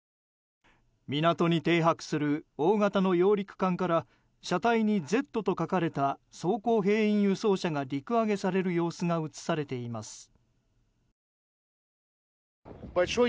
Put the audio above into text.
港に停泊する大型の揚陸艦から車体に「Ｚ」と書かれた装甲兵員輸送車が陸揚げされる様子が映されています。